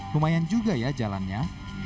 lumayan juga ya jalannya